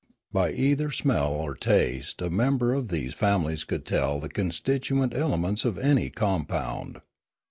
By either smell or taste a member of these families could tell the constituent elements of any compound.